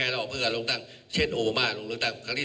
หลักการมันเป็นอย่างนี้